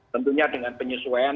tentunya dengan penyesuaian